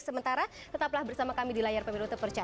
sementara tetaplah bersama kami di layar pemiru tepuk tengah